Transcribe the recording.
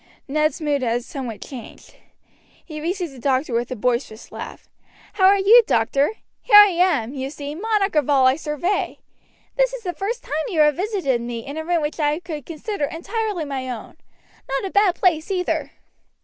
Ned's mood had somewhat changed. He received the doctor with a boisterous laugh. "How are you, doctor? Here I am, you see, monarch of all I survey. This is the first time you have visited me in a room which I could consider entirely my own. Not a bad place either."